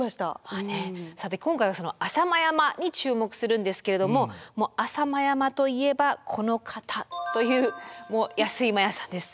さて今回はその浅間山に注目するんですけれども浅間山といえばこの方という安井真也さんです。